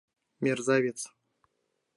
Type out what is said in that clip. Мерзавец!